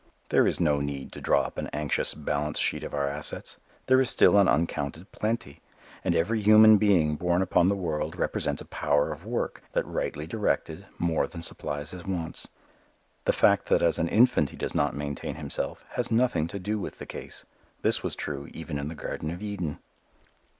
There is no need to draw up an anxious balance sheet of our assets. There is still an uncounted plenty. And every human being born upon the world represents a power of work that, rightly directed, more than supplies his wants. The fact that as an infant he does not maintain himself has nothing to do with the case. This was true even in the Garden of Eden.